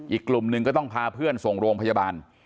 อีกกลุ่มหนึ่งก็ต้องพาเพื่อนส่งโรงพยาบาล